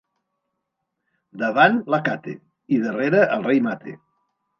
Davant l'acate i darrere el rei mate.